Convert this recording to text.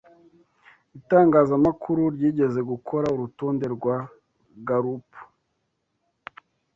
itangazamakuru ryigeze gukora urutonde rwa Galupu